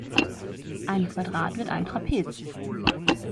Ein Quadrat wird ein Trapez.